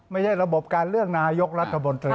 ระบบการเลือกนายกรัฐมนตรี